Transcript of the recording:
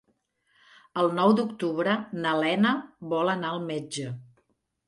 El nou d'octubre na Lena vol anar al metge.